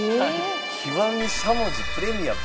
極しゃもじプレミアム？